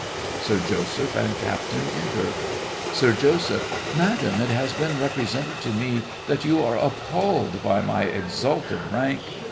SIR JOSEPH and CAPTAIN enter SIR JOSEPH. Madam, it has been represented to me that you are appalled by my exalted rank.